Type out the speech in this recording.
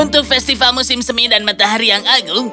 untuk festival musim semi dan matahari yang agung